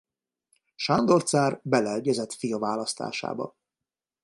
Sándor cár beleegyezett fia választásába.